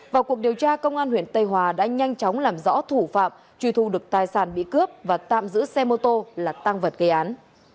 vào cuộc điều tra công an huyện tây hòa đã nhanh chóng làm rõ thủ phạm truy thu được tài sản bị cướp và tạm giữ xe mô tô là tăng vật gây án